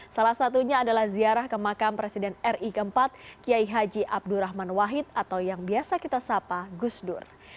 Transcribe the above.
salah satunya adalah ziarah ke makam presiden ri keempat kiai haji abdurrahman wahid atau yang biasa kita sapa gusdur